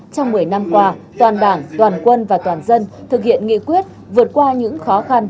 trong một mươi năm qua toàn đảng toàn quân và toàn dân thực hiện nghị quyết vượt qua những khó khăn